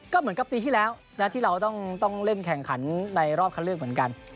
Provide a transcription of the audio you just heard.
ก็เหมือนกับปีที่แล้วที่เราต้องเล่นแข่งขันในรอบคันเลือกเหมือนกัน